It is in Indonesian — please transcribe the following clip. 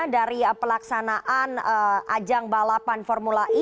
dari pelaksanaan ajang balapan formula e